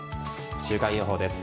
週間予報です。